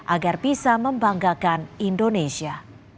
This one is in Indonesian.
agar bisa membanggakan indonesia